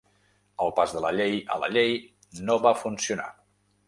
El pas de la llei a la llei no va funcionar.